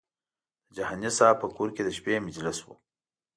د جهاني صاحب په کور کې د شپې مجلس و.